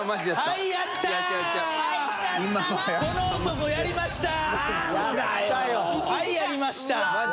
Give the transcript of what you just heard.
はいやりました。